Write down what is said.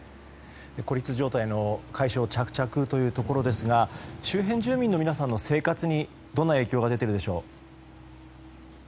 孤立状態の解消が着々というところですが周辺住民の皆さんの生活にどんな影響が出ているでしょうか。